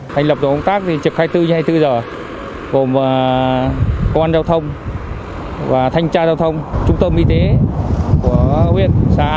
thành lập được công tác trực hai mươi bốn trên hai mươi bốn giờ gồm công an giao thông và thanh tra giao thông trung tâm y tế của huyện xã